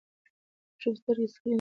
د ماشوم سترګې د سکرين نه وساتئ.